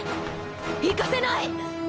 行かせない！